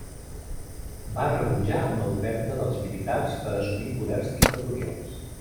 Va rebutjar una oferta dels militars per assumir poders dictatorials.